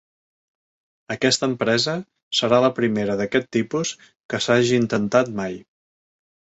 Aquesta empresa serà la primera d'aquest tipus que s'hagi intentat mai.